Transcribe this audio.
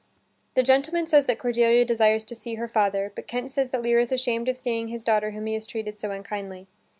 The gentleman says that Cordelia desires to see her father, but Kent says that Lear is ashamed of seeing this daughter whom he has treated so unkindly.